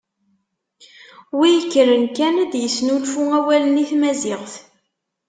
Wi ikkren kan ad d-isnulfu awalen i tmaziɣt.